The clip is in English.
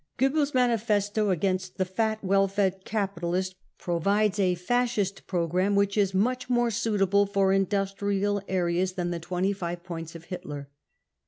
Goebbels 9 manifesto against the* " fat, well fed capitalist 55 provides a Fascist programme * which is much more suitable for industrial ar&as than the ^* 25 points of Hitler.